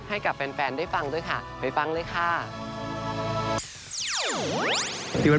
ให้กับแฟนได้ฟังด้วยค่ะไปฟังเลยค่ะ